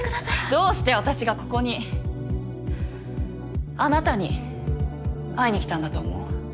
どうして私がここにあなたに会いにきたんだと思う？